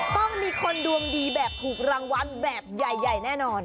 ต้องมีคนดวงดีแบบถูกรางวัลแบบใหญ่แน่นอน